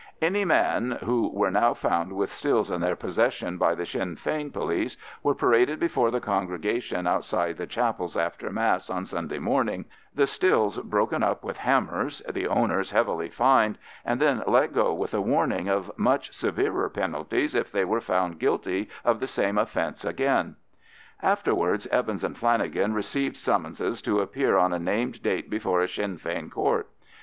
Any men who were now found with stills in their possession by the Sinn Fein police were paraded before the congregation outside the chapels after Mass on Sunday morning, the stills broken up with hammers, the owners heavily fined, and then let go with a warning of much severer penalties if they were found guilty of the same offence again. Afterwards Evans and Flanagan received summonses to appear on a named date before a Sinn Fein Court.